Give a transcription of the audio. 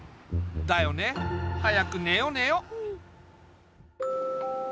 だよね。早くねよねよ。